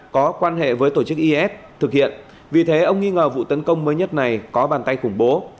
có quan hệ với tổ chức is thực hiện vì thế ông nghi ngờ vụ tấn công mới nhất này có bàn tay khủng bố